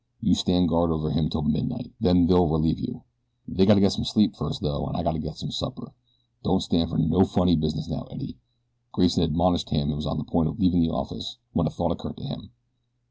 You stand guard over him 'til midnight, then they'll relieve you. They gotta get a little sleep first, though, an' I gotta get some supper. Don't stand fer no funny business now, Eddie," Grayson admonished him, and was on the point of leaving the office when a thought occurred to him.